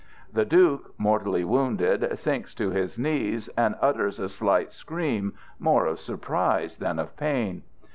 The Duke, mortally wounded, sinks to his knees, and utters a slight scream, more of surprise than of pain.